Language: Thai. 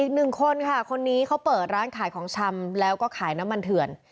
อีกหนึ่งคนค่ะคนนี้เขาเปิดร้านขายของชำแล้วก็ขายน้ำมันเถื่อน